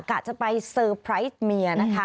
กะจะไปเซอร์ไพรส์เมียนะคะ